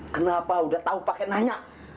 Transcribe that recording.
kenapa udah tahu pakai nanya